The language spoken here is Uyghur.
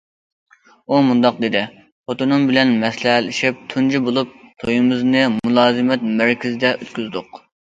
ئۇ مۇنداق دېدى: خوتۇنۇم بىلەن مەسلىھەتلىشىپ تۇنجى بولۇپ تويىمىزنى مۇلازىمەت مەركىزىدە ئۆتكۈزدۇق.